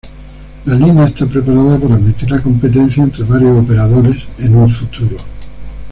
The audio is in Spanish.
La línea está preparada para admitir la competencia entre varios operadores en un futuro.